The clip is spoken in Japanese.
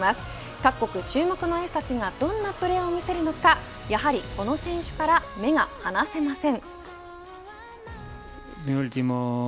各国注目のエースたちがどんなプレーを見せるのかやはりこの選手から目が離せません。